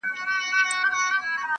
ایله چي په امان دي له واسکټه سوه وګړي،